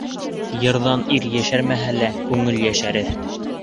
Йырҙан ир йәшәрмәһә лә, күңел йәшәрер.